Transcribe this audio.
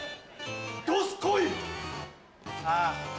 どすこい！